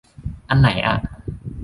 อันไหนอ่ะ